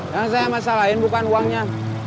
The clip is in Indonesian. yang saya masalahin bukan uangnya